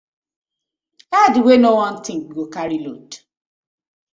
Head wey no wan think, go carry load: